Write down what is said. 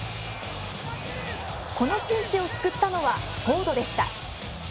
このピンチを救ったのはフォードでした。